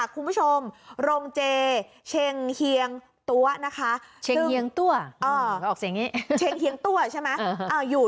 หน่อยค่ะคุณผู้ชมรองเจเชงเคียงตัวนะคะเชงเคียงตัวอยู่